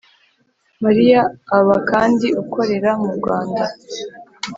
Mariya aba kandi ukorera mu Rwanda